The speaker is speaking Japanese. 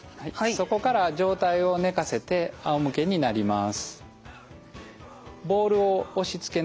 そこから上体を寝かせてあおむけになります。